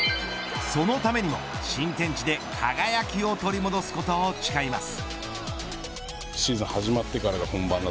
そのためにも新天地で輝きを取り戻すことを誓います。